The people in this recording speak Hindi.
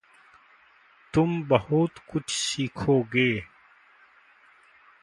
तुम बहुत कुछ सीखोगे।